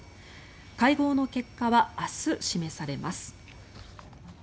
会合の結果は明日示されます。